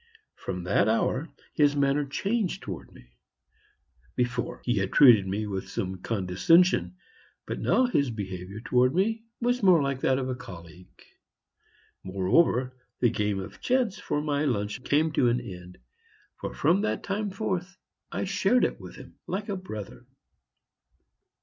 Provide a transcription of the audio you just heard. From that hour his manner changed towards me. Before, he had treated me with some condescension, but now his behavior towards me was more like that of a colleague. Moreover, the game of chance for my lunch came to an end, for from that time forth I shared it with him like a brother.